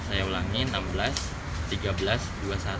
ada pun hasil sementara keterangan saksi saksi yang sudah kita ambil